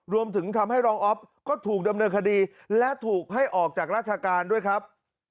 รวมถึงทำให้รองอ๊อฟก็ถูกดำเนินคดีและถูกให้ออกจากราชการด้วยครับ